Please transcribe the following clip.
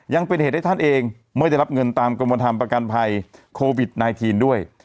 ยังเป็นเหตุให้ท่านเองไม่ได้รับเงินตามกรมธรรมประกันภัยโควิด๑๙ด้วย